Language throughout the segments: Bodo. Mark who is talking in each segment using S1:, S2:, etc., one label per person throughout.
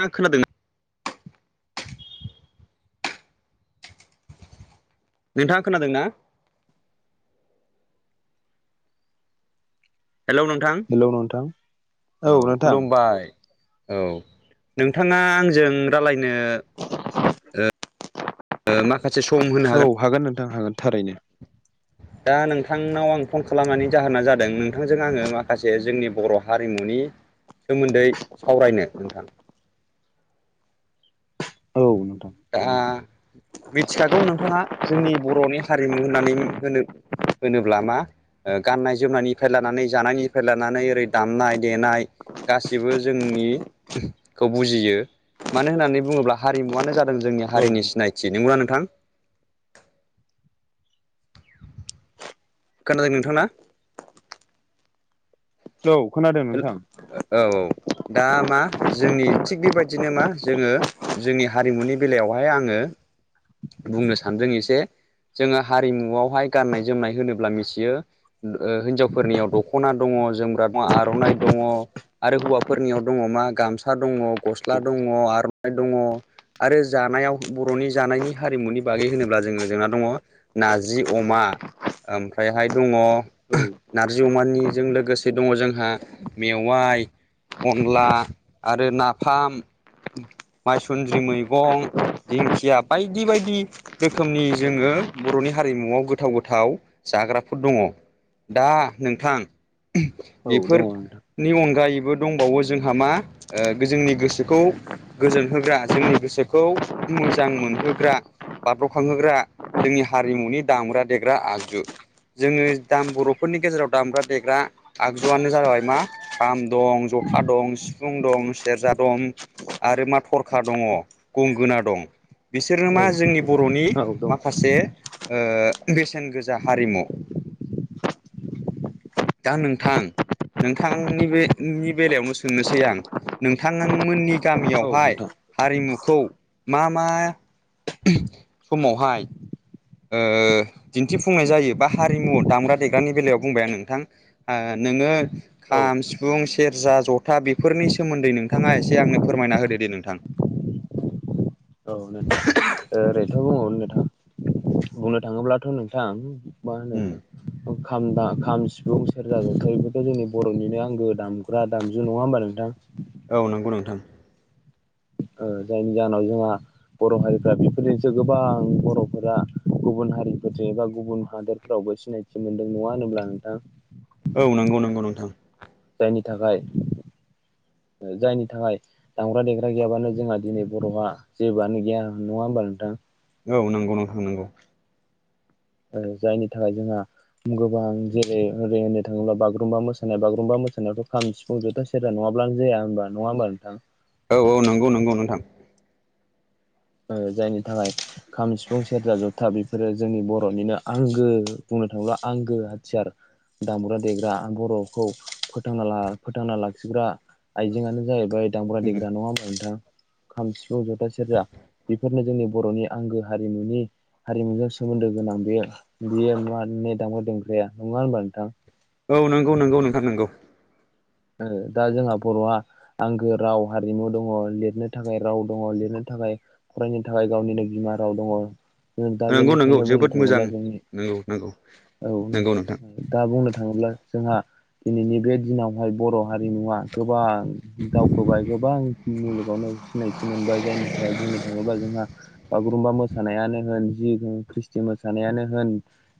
S1: थाङा खोनादों [inaudible] नोंथाङा खोनादों ना? हेलौ नोंथां
S2: हेलौ नोंथां
S1: औ खुलुमबाय। औ नोंथाङा आंजों रालायनो ओ ओ मा
S2: औ हागोन नोंथां हागोन थारैनो।
S1: दा नोंथांनाव आं फन खालामनायनि जाहोना जादों नोंथांजों आङो माखासे जोंनि बर हारिमुनि सोमोन्दै सावरायनो नोंथां।
S2: औ नोंथां।
S1: दा मिथिखागौ नोंथाङा जोंनि बरनि हारिमु होननानै होनो होनोब्ला मा ओ गाननाय जोमनायनिफ्राय लानानै जानायनिफ्राय लानानै ओरै दामनाय देनाय गासिबो जों नि खौ बुजियो मानो होननानै बुङोब्ला हारिमुवानो जादों जोंनि हारिनि
S2: औ
S1: सिनायथि। नोंगौना नोंथां? खोनादों नोंथां ना?
S2: औ खोनादों नोंथां।
S1: दा मा जोंनि थिग बेबायदिनो मा जोङो जोंनि हारिमुनि बेलायावहाय आङो बुंनो सानदों एसे जोङो हारिमुआवहाय गाननाय जोमनाय होनोब्ला मिथियो ओ हिनजावफोरनियाव दखना दङ। दङ, जोमग्रा दं, आरनाइ दङ आरो हौवाफोरनियाव दङ मा गामसा दङ, गस्ला दङ, आरनाइ दङ। आरो जानायाव बरनि जानायनि हारिमुनि बागै होनोब्ला जोङो जोंना दङ नारजि अमा ओमफ्रायहाय दङ
S2: औ
S1: नारजि अमानिजों लोगोसे दङ जोंहा मेवाइ, अनला आरो नाफाम। माइसुन्द्रि मैगं दिंखिया बायदि बायदि रोखोमनि जोङो ब'नि हारिमुवआव गोथाव गोथाव जाग्राफोर दङ दा नोंथां
S2: औ
S1: बेफोर
S2: दङ नोंथां
S1: नि अनगायैबो दंबावो जोंहा मा जोंनि गोसोखौ गोजोन होग्रा जों जोंनि गोसोखौ मोजां मोनहोग्रा बाब्रखांहोग्रा जोंनि हारिमुनि दामग्रा देग्रा आगजु जोङो दाम बरफोरनि नि गेजेराव दामग्रा देग्रा आगजुआनो जाबाय मा खाम दं, जथा दं, सिफुं दं, सेरजा दं आरो मा थरखा दङ, गंगोना दं। बिसोरो मा
S2: औ
S1: जोंनि बर'नि
S2: औ दं
S1: माखासे ओ बेसेन गोजा हारिमु। दा नोंथां नोंथांनि बे नि बेलायावनो सोंनोसै आं नोंथांमोननि
S2: औ नोंथां
S1: गामियावहाय हारिमुखौ मा मा समावहाय ओ दिन्थिफुंनाय जायो, बा हारिमु दामग्रा देग्रानि बेलायाव बुंबाय नोंथां ओ नोङो
S2: औ
S1: खाम, सिफुं, सेरजा, जथा बेफोरनि सोमोन्दै नोंथाङा एसे आंनो फोरमायना होदो दे। नोंथां।
S2: औ नोंथां ओ थाङोब्लाथ नोंथां मा
S1: उम
S2: होनो खाम बा खाम, सिफुं, सेरजााजोंथा एफोरथ' जोंनि बरनिनो आंगो दाम ग्रा दामजु नङा होमबा नोंथां?
S1: थां
S2: ओ जायनि जाहोनाव जोंहा बर हारिफ्रा बेफोरनिसो गोबां बरफोरा गुबुन हारिफोरजों एबा गुबुन हादोरफोराव सिनायथि मोनदों। नङा होनोब्ला नोंथां?
S1: औ नोंगौ नोंगौ नोंथां।
S2: नि थाखाय
S1: [inaudible]
S2: जायनि थाखाय दामग्रा देग्रा गैयाबानो जोंहा दिनै बर'हा जेबोआनो गैया नङा होमबा नोंथां।
S1: औ नोंगौ नोंथां नोंगौ।
S2: ओ जायनि थाखाय जोंहा गोबां जेरै ओरै होननो थाङोब्ला बागुरुम्बा मोसानाय बागुरुम्बा मोसानायावाथ' खाम, सिफुं, जथा, सेरजा नङा ब्लानो जाया होनोमबा नङाबा नोंथां।
S1: औ औ नोंगौ नोंगौ नोंथां।
S2: ओ जायनि थाखाय खाम सिफुं सेरजा जथा बेफोरो जोंनि बर'निनो आंगो नो थाङोब्ला आंगो हथियार। दामग्रा देग्रा बर'खौ फोथांनाला- फोथांना लाखिग्रा आइजेंआनो जाहैबाय दामब्रा
S1: उम
S2: देग्रा। नङा होमबा नोंथां? खाम, सिफुं, जथा, सेरजा बेफोरनो जोंनि बर'नि आंगो हारिमुनि हारिमुजों सोमोन्दो गोनां बे बियो मा दामग्रा देंग्राया नङा होनोमबा नोंथां
S1: औ नंगौ नंगौ नोंथां नंगौ।
S2: ओ दा जोंहा बर'आ आंगो राव हारिमु दङ लिरनो थाखाय राव दङ लिरनो थाखाय थाखाय फरायनो थाखाय गावनिनो बिमा राव दङ दा
S1: नंगौ नंगौ
S2: बेनिखायनो
S1: जोबोद
S2: बुंनो
S1: मोजां
S2: थाङोब्ला जोंनि
S1: नंगौ नंगौ
S2: औ
S1: नंगौ नोंथां
S2: दा बुंनो थाङोब्ला जोंहा दिनैनि बे दिनावहाय बर' हारिमुआ गोबां दावखोबाय गोबां मुलुगावनो सिनायथि मोनबाय जायनि थाखाय बुंनो थाङ थाङोबा जोंहा बागुरुमबा मोसानायानो होन जि ख्रिस्टि मोसानायानो होन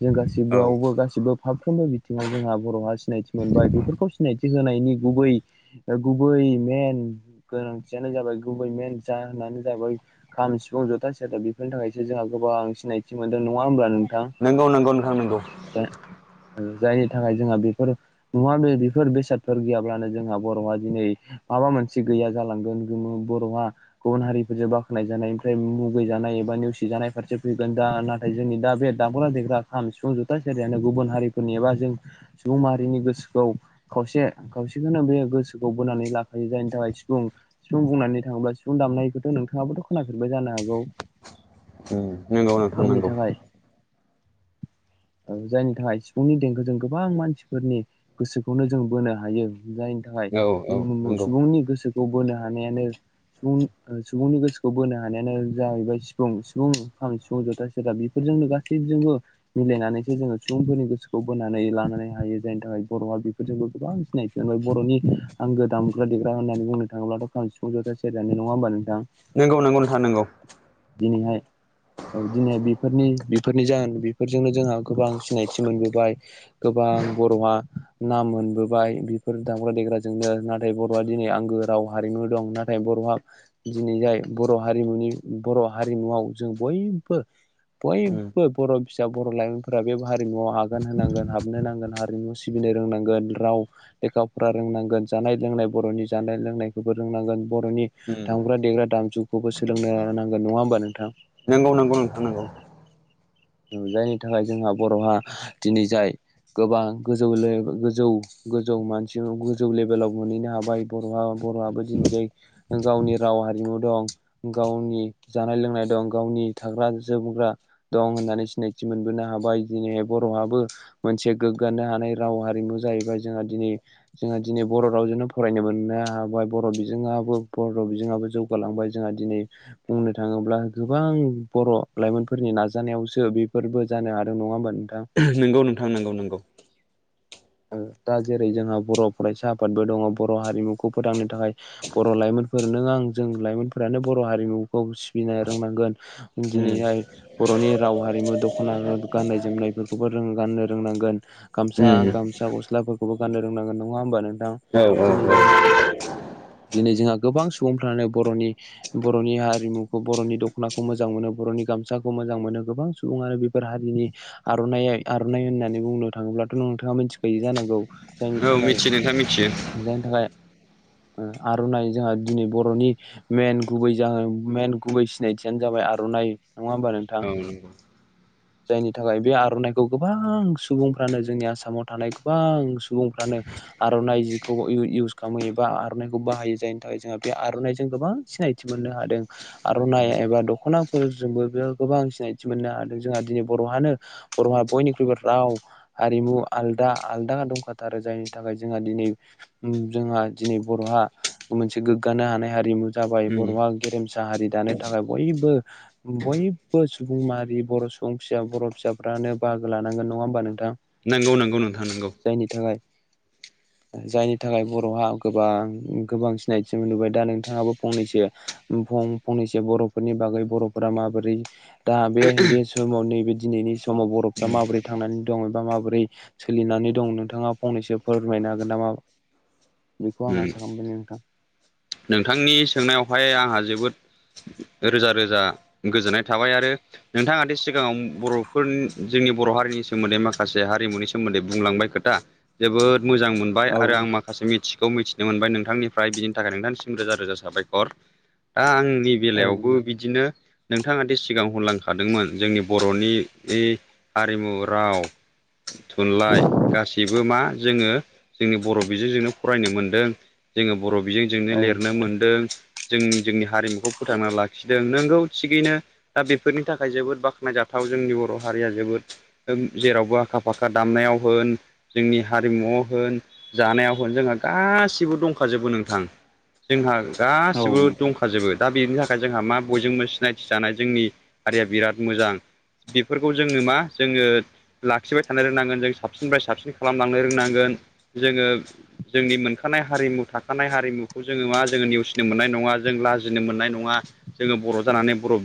S2: जों
S1: औ
S2: गासिबोआवबो गासिबो फाफ्रोमबो बिथिङाव जोंहा बर'हा सिनायथि मोनबाय बेफोरखौ सिनायथि होनायनि गुबै गुबै मेन गोनांथियानो जाबाय गुबै मेन जा जाबाय खाम सिफुं जथा सथा बेफोरनि थाखायसो जोंहा गोबां सिनायथि मोनदों नङा हब्ला
S1: नंगौ नंगौ नोंथां नंगौ
S2: जायनि थाखाय जोंहा बेफोर नुवा बे बेफोर बेसादफोर गैयाब्लानो जोंहा बर'आ दिनै माबा मोनसे गैया जालांगोन बर'आ गुबुन हारिफोरजों बाख्नाय जानाय मफ्राय मुगै जानाय एबा नेवसि जानायफोरसो फैगोन दा नाथाय जोंनि दा बे दामग्रा देग्रा खाम सिफुं ज'था सलियानो गुबुन हारिफोरनि एबा जों सुबुं माहारिनि गोसोखौ खावसे खावसेखौनो बे गोसोखौ बोनानै लाखायो जायनि थाखाय सिफुं सिफुं बुंनानै थाङोब्ला सिफुं दामनायखौथ' नोंथाङाबोथ' खोन सोरबो जानो हागौ
S1: [inaudible] नोंगौ नों
S2: जायनि
S1: थांनांगौ [inaudible]
S2: औ जायनि थाखाय सिफुंनि देंखोजों गोबां मानसिफोरनि गोसोखौनो जों बोनो हायो। जायनि थाखाय
S1: औ औ नंगौ
S2: सुबुंनि गोसोखौ बोनो हानायानो सुबुं ओ सुबुंनि गोसोखौ बोनो हानायानो जाहैबायफां सिफुं जथा सेरजा बेफोर जोंनो गासै जोंबो मिलायनानैसो जोङो सुबुंफोरनि गोसोखौ बोनानै लानानै हायो जायनि थाखाय बर'आ बेफोरजोंबो गोबां सिनायथि बर'नि आंगो दामग्रा देग्रा होननानै बुंनो थाङोब्लाथ' खाम सिफुं सेर ज नङा हबा नोंथां
S1: नंगौ नंगौ नोंथाङ नंगौ
S2: दिनैहाय औ दिनैहाय बेफोरनि बेफोरनि जाहोन बेफोरजोंनो जोंहा गोबां सिनायथि मोनबोबाय गोबां बर'आ नाम मोनबोबाय बेफोर दामग्रा देग्राजोंनो नाथाय बर'आ दिनै आंगो राव हारिमु दं नाथाय बर'आ दिनै जाय बर हारिम बर' हारिमुआव जों बयबो
S1: उम
S2: बयबो बर' फिसा बर' लाइमोनफोरा बे हारिमुवआव आगान होनांगोन हाबनो नांगोन हारिमुआव सिबिनो रोंनांगोन राव लेखाफोरा रोंनांगोन जानाय लोंनाय बर'नि जानाय लोंनायखौबो रोंनांगोन बर'नि
S1: उम
S2: दामांग्रा देग्रा दाम जुखौबो सोलोंनो लानो नांगोन नङा होमबा नोंथां।
S1: नंगौ नांगौ नोंथां नांगौ
S2: जायनि थाखाय जोंहा बर'हा दिनै जाय गोबां गोजौ गोजौ गोजौ मानसि गोजौ लेभेलाव मोनहैनो हाबाय बर'हा बर'आबो दिनै जाय गावनि राव हारिमु दं गावनि जानाय लोंनाय दं गावनि नि थाग्रा जोमग्रा दं। सिनायथि मोनबोनो हाबाय दिनैहाय बर'आाबो मोनसे गोग्गानो हानाय राव हारिमु जाहैबाय जों जोंहा दिनै जोंहा दिनै बर' रावजोंनो फरायनो मोननो हाबाय बर' बिजोङाबो बर' बिजोङाबो जौगालांबाय जोंहा दिनै बुंनो थाङोब्ला गोबां बर' लाइमोनफोरनि नाजानायावस बेफोरबो जानो हादों नङा होमब
S1: नोंगौ नोंथां नंगौ नंगौ
S2: दा जेरै जोंहा बर' फरायसा आफादबो दङ बर' हारिमुखौ फोथांनो थाखाय बर' लाइमोन नों आं जों लाइमोनफोरानो बर' हारिमुखौ सिबिनो रोंनांगोन
S1: उम
S2: दिनैहाय बर'नि राव हारिमु दख'ना गाननाय जोमनायफोरखौबो गाननो रोंनांगोन । गामसा
S1: उम
S2: गामसा गस्लाफोरखौबो गाननो रोंनांगोन नङा होमबा नों
S1: औ औ औ ।
S2: दिनै जोंहा गोबां सुबुंफ्रानो बर'नि बर'नि हारिमुखौ बर'नि दख'नाखौ मोजां मोनो बर'नि गामसाखौ मोजां मोनो गोबां सुबुङानो बेफोर हारिनि आर'ना आर'नाइ होननानै बुंनो थाङोब्लाथ' नोंथाङा मिथिखायो जानांगौ जायनि
S1: औ
S2: थाखाय
S1: मिथियो नोंथां मिथियो
S2: जायनि थाखाय
S1: [unintelligible]
S2: आर'नाइ जोंहा दिनै बर'नि मेन गुबै जा मेन गुबै सिनायथियानो जाबाय आर'नाइ नङा होमबा नोंथां?
S1: ब [unintelligible]
S2: जायनि थाखाय बे आर'नाइखौ गोबां सुबुंफ्रानो जोंनि आसामाव थानाय गोबां सुबुंफ्रानो आर'नाइ जिखौ इवस खालामो एबा आर'नाइखौ बाहायो जायनि थाखाय जोंहा बे आर'नाइजों गोबां सिनायथि मोननो हादों आर'नाइ एबा दख'नाफोरजोंबो बेयाव गोबां सिनाय मोननो हादों जोंहा दिनै बर'आानो बर'हा बयनिख्रुइबो राव हारिमु आलदा आलदा दंखाथारो जायनि थाखाय जोंहा दिनै जोंहा दिनै बर'हा मोनसे गोग्गानो हानाय हमु जाबाय बर'आ
S1: उम
S2: गेरेमसा हारि दानो थाखाय बयबो बयबो सुबुं माहारि बर' सुबुं फिसा बर' फिसाफ्रानो बाहागो लानांगोन नङा होमबा नोंथां?
S1: नंगौ नंगौ नोंथां नंगौ ।
S2: जायनि थाखाय
S1: [unintelligible]
S2: जायनि थाखाय बर'हा गोबां गोबां सिनायथि मोनबाय दा नोंथाङाबो फंनैसो फं-फंनैसो बर'फोरनि बागै बर'फोरा माबोरै दा बे बे समाव नैबे दिनैनि समाव बर'फ्रा माबोरै थांनानै दं एबा माबोरै सोलिनानै दं नोंथाङा फंनैसो फोरमायनो हागोन नामा?
S1: [unintelligible]
S2: बेखौ आं आसा खालामबाय नोंथां ।
S1: नोंथांनि सोंनायावहाय आंहा जोबोद रोजा रोजा गोजोननाय थाबाय आरो नोंथाङा दि सिगाङाव बर'फोर जोंनि बर' हारिनि सोमोन्दै माखासे हारिमुनि सोमोन्दै बुंलांबाय खोथा जोबोद मोजां मोनबाय
S2: औ
S1: आरो आं
S2: नोंथां
S1: माखासे मिथिखौ मिथिनो मोनबाय नोंथांनिफ्राय बिदि थाखाय नोंथांसिम रोजा रोजा साबायखर दा आंनि
S2: औ
S1: बेलायावबो बिदिनो नोंथाङ दि सिगां हरलांखादोंमोन जोंनि बर'नि हारिमु राव थुनलाइ गासिबो मा जोङो जोंनि बर' बिजोंजोंनो फरायनो मोनदों जोङो बर' बेजोंजोंनो लिरनो
S2: नोंथां
S1: मोनदों जों जोंनि हारिमुखौ फोथांना लाखिदों नोंगौ थिगैनो दा बेफोरनि थाखाय जोबोद बाख्नायजाथाव जोंनि बर' हारिया जोबोद जेरावबो आखा फाखा दामनायाव होन जोंनि हारिमु होन जानायाव होन जोंहा गासिबो दंखाजोबो नों थां जोंहा
S2: औ
S1: गासिबो
S2: नोंथां
S1: दंखाजोबो दा बेनि थाखाय जोंहा मा बयजोंबो सिनायथि जानाय जोंनि हारिया बिराद मोजां बेफोरखौ जोङो मा जोङो लाखिबाय थानो रोंनांगोन जों साबसिननिफ्राय साबसिन खालामलांनो रोंनांगोन जोङो जोंनि मोनखानाय हारिमु थाखो थानाय हारिमुखौ जोङो मा जोङो नेवसिनो मोननाय नङा जों लाजिनो मोननाय नङा जोङो बर' जानानै बर'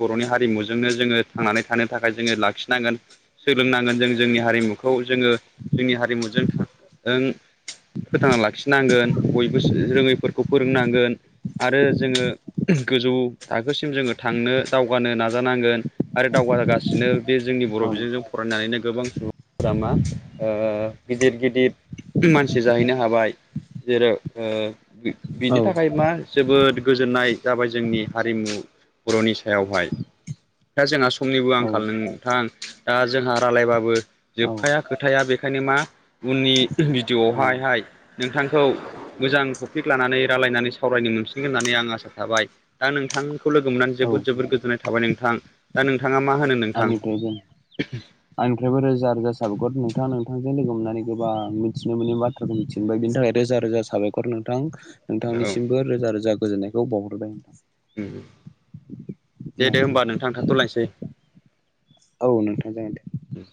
S1: बर'नि हारिमुजोंनो जोङो थांनानै थानो थाखाय जोङो लाखिनांगोन सोलोंनांगोन जों जोंनि हारि हारिमुखौ जोङो जोंनि हारिमुजों फोथांना लाखिनांगोन बयबो रोङैफोरखौ फोरोंनांगोन आरो जोङो गोजौ थाखोसिम जोङो थांनो दावगानो नाजानांगोन आरो दाव जौगासिनो बे जोंनि बर'
S2: औ नोंथां
S1: बिजोंजों फरायनानैनो गोबां सुबुं लामा गिदिर गि गिदिर मानसि जाहैनो हाबाय जेराव ओ
S2: औ
S1: बि-बिनि थाखाय मा जोबोद गोजोननाय जाबाय जोंनि हारिमु बर'नि सायावहाय दा जोंहा समनिबो आंखाल नोंथां दा जोंहा रायलायबाबो जोबखाया खोथाया बे खायनो मा उननि भिडिअ
S2: औ
S1: हायहाय नोंथां खौ मोजां टपिक लानानै रायलायनानै सावरायनो मोनसिगोन होननानै आं आसा थाबाय। दा नोंथांखौ लोगो मोननानै
S2: औ
S1: जोबोद
S2: औ
S1: जोबोद गोजोननाय थाबाय नोंथां। दा नोंथा
S2: आंनिफ्रायबो आंनिफ्रायबो रोजा रोजा साबायकर नोंथाङा नोंथां लोगो मोननानै गोबां मिथिनो मोनि बाथ्राखौ मिथिनो मोनबाय बिनि थाखाय रोजा रोजा साबायखर नोंथां।
S1: औ
S2: नोंथांनिसिमबो रोजा रोजा गोजोनायखौ बावहरबाय नोंथां।
S1: उम दे दे होमबा नोंथां थाथ'लायसै।
S2: औ नोंथां जागोन दे।